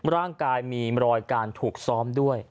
ร่างกายมีรอยการถูกซ้อมด้วย